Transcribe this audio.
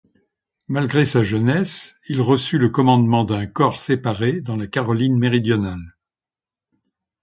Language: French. Malgré sa jeunesse, il reçut le commandement d'un corps séparé dans la Caroline méridionale.